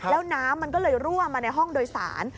แล้วน้ำมันก็เลยรั่วมาในห้องโดยสาร